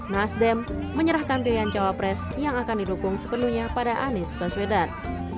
nasdem menyerahkan pilihan cawapres yang akan didukung sepenuhnya pada anies baswedan